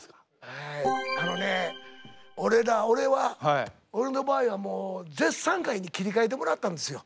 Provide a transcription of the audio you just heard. えあのね俺ら俺は俺の場合はもう絶賛会に切り替えてもらったんですよ。